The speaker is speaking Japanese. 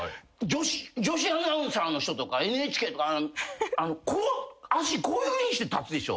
女子アナウンサーの人とかＮＨＫとか足こういうふうにして立つでしょ。